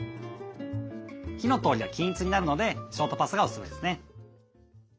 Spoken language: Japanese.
火の通りが均一になるのでショートパスタがおすすめですね。